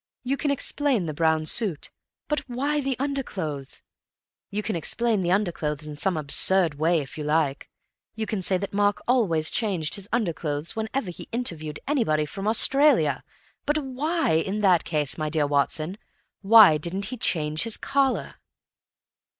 You can explain the brown suit, but why the under clothes. You can explain the underclothes in some absurd way, if you like—you can say that Mark always changed his underclothes whenever he interviewed anybody from Australia—but why, in that case, my dear Watson, why didn't he change his collar?"